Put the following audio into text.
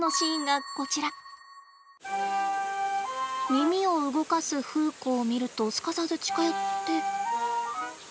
耳を動かすフーコを見るとすかさず近寄って。